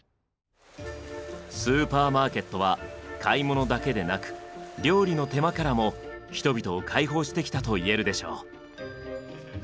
スーパーマーケットは買い物だけでなく料理の手間からも人々を解放してきたと言えるでしょう。